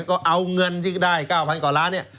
ก็เอาเงินที่ได้๙๐๐๐กว่าล้าน